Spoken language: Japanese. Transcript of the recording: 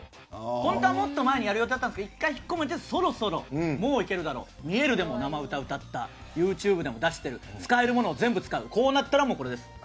本当は、もっと前にやる予定だったんですが１回引っ込めてそろそろもういけるだろ「みえる」でも生歌歌ったＹｏｕＴｕｂｅでも出してる使えるものも全部使うとなったらこれです。